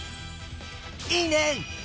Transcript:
いいね！